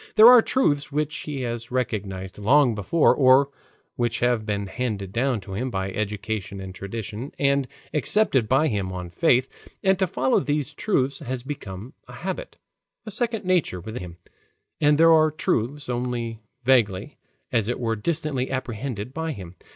There are truths which he has recognized long before or which have been handed down to him by education and tradition and accepted by him on faith, and to follow these truths has become a habit, a second nature with him; and there are truths, only vaguely, as it were distantly, apprehended by him.